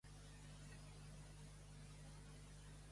Qui és Irene de Lecce?